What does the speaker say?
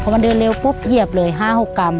พอมันเดินเร็วปุ๊บเหยียบเลย๕๖กรัม